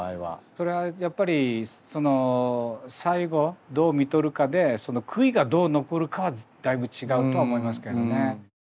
それはやっぱり最期をどうみとるかで悔いがどう残るかはだいぶ違うとは思いますけどね。